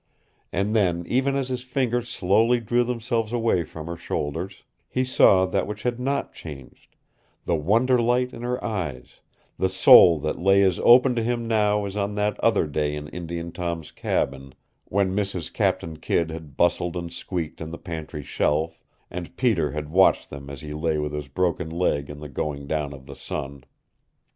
And then, even as his fingers slowly drew themselves away from her shoulders, he saw that which had not changed the wonder light in her eyes, the soul that lay as open to him now as on that other day in Indian Tom's cabin, when Mrs. Captain Kidd had bustled and squeaked on the pantry shelf, and Peter had watched them as he lay with his broken leg in the going down of the sun.